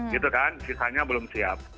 gitu kan sisanya belum siap